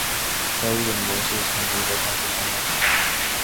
该物种的模式产地在甘肃山脉。